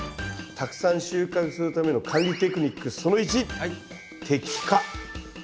たくさん収穫するための管理テクニック「てきか」？